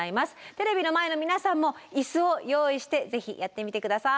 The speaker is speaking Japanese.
テレビの前の皆さんも椅子を用意してぜひやってみて下さい。